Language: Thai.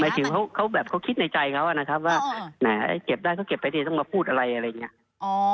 ถึงเขาแบบเขาคิดในใจเขานะครับว่าแหมเก็บได้เขาเก็บไปทีต้องมาพูดอะไรอะไรอย่างนี้